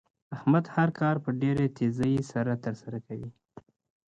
احمد هر کار په ډېرې تېزۍ سره تر سره کوي.